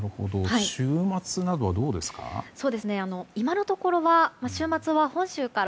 週末などはどうですか？